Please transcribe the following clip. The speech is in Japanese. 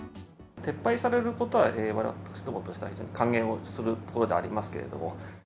撤廃されることは、私どもとしては非常に歓迎をするところではありますけれども。